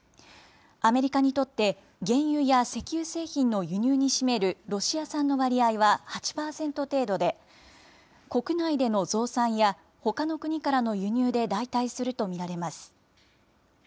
アメリカにとって、原油や石油製品の輸入に占めるロシア産の割合は８％程度で、国内での増産や、ほかの国からの輸入で代替すると見られます。